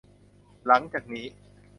หลังจากนี้